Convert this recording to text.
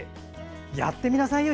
やってみなさいよ